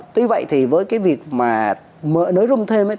tuy vậy với việc nới rung thêm